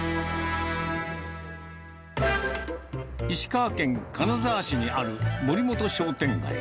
石川県金沢市にある森本商店街。